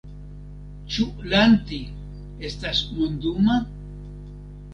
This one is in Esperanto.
Ĉu Lanti estas monduma?